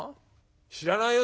知らないよ